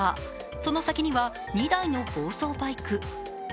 その先には２台の暴走バイク。